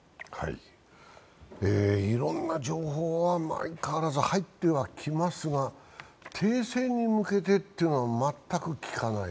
いろんな情報は相変わらず入ってはきますが、停戦に向けてというのは全く聞かない。